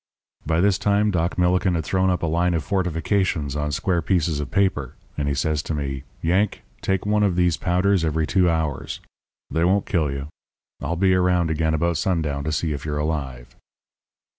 "By this time Doc Millikin had thrown up a line of fortifications on square pieces of paper; and he says to me: 'Yank, take one of these powders every two hours. They won't kill you. I'll be around again about sundown to see if you're alive.'